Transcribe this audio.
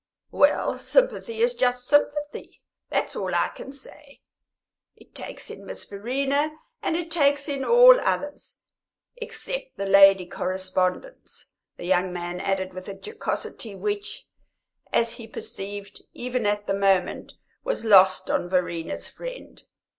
"Well, sympathy is just sympathy that's all I can say. It takes in Miss Verena and it takes in all others except the lady correspondents," the young man added, with a jocosity which, as he perceived even at the moment, was lost on Verena's friend.